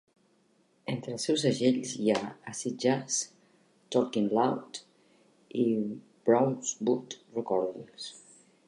Entre els seus segells hi ha Acid Jazz, Talkin' Loud i Brownswood Recordings.